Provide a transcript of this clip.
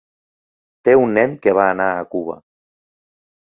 Té un nen que va anar a Cuba.